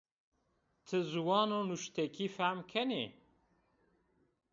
Ti ziwano nuştekî fehm kenî?